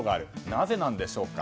なぜなんでしょうか。